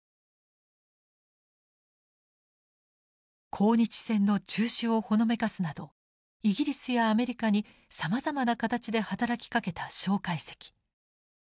抗日戦の中止をほのめかすなどイギリスやアメリカにさまざまな形で働きかけた介石。